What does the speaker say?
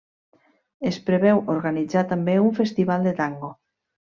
Es preveu organitzar també un festival de tango.